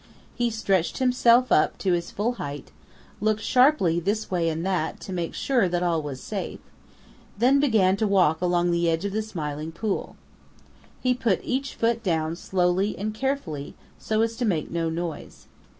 He stretched himself up to his full height, looked sharply this way and that way to make sure that all was safe, then began to walk along the edge of the Smiling Pool. He put each foot down slowly and carefully so as to make no noise.